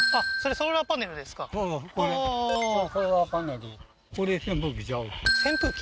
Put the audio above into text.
ソーラーパネル扇風機？